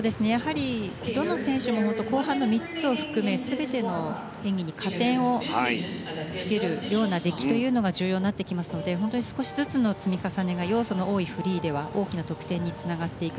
どの選手も後半の３つを含め全ての演技に加点をつけるような出来というのが重要になってきますので少しずつの積み重ねが要素の多いフリーでは大きな差につながっていく。